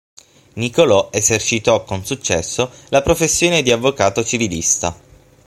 Nicolò esercitò con successo la professione di avvocato civilista.